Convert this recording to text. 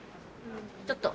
ちょっと。